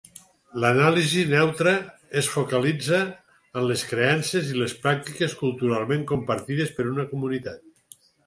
L’anàlisi neutra es focalitza en les creences i les pràctiques culturalment compartides per una comunitat.